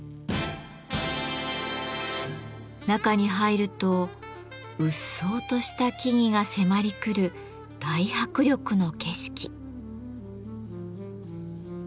中に入るとうっそうとした木々が迫り来る大迫力の景色。